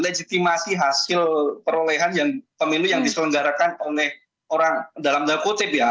legitimasi hasil perolehan pemilu yang diselenggarakan oleh orang dalam tanda kutip ya